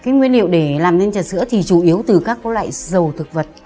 cái nguyên liệu để làm nên trà sữa thì chủ yếu từ các loại dầu thực vật